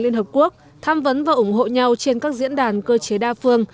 liên hợp quốc tham vấn và ủng hộ nhau trên các diễn đàn cơ chế đa phương